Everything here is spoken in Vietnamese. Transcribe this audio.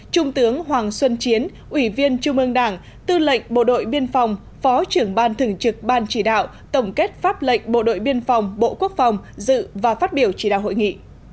trung tướng hoàng xuân chiến ủy viên trung ương đảng tư lệnh bộ đội biên phòng phó trưởng ban thường trực ban chỉ đạo tổng kết pháp lệnh bộ đội biên phòng bộ quốc phòng dự và phát biểu chỉ đạo hội nghị